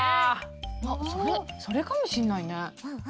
あっそれかもしんないね。